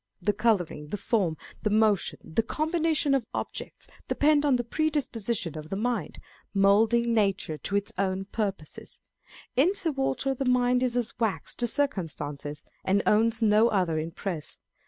The colouring, the form, the motion, the combination of objects depend on the pre disposition of the mind, moulding nature to its own purposes ; in Sir Walter the mind is as wax to circum stances, and owns no other impress.